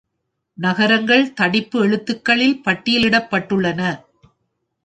நகரங்கள் தடிப்பு எழுத்துக்களில் பட்டியலிடப்பட்டுள்ளன.